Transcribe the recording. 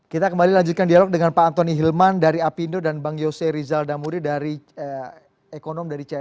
kita kembali lanjutkan dialog dengan pak anthony hilman dari apindo dan bang yose rizal damuri dari lebaran